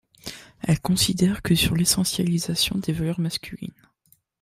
Elle considère que sur l'essentialisation des valeurs masculines.